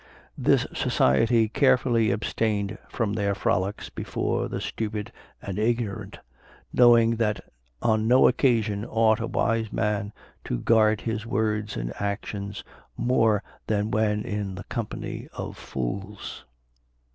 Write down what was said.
This society carefully abstained from their frolics before the stupid and ignorant, knowing that on no occasion ought a wise man to guard his words and actions more than when in the company of fools.